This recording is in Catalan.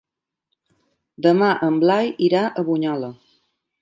Demà en Blai irà a Bunyola.